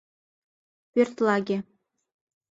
Пӧртлаге